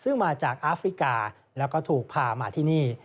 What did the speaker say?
ซึ่งมาจากอาฟริกาแล้วก็ถูกพามาที่นี่